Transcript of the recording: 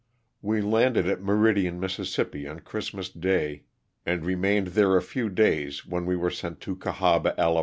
We landed at Meridian, Miss., on Christmas day, and remained there a few days when we were sent to Cahaba, Ala.